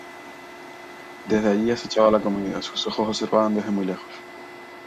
Desde allí acecha la comida: Sus ojos observan de muy lejos.